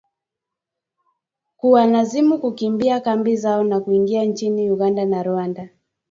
kuwalazimu kukimbia kambi zao na kuingia nchini Uganda na Rwanda